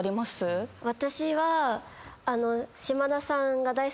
私は。